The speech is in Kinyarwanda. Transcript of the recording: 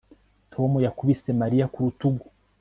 Tom yakubise Mariya ku rutugu